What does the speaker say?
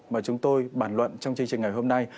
mà chúng tôi bàn luận trong chương trình ngày hôm nay